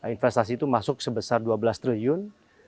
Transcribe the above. investasi itu masuk sebesar dua belas triliun